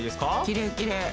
きれいきれい。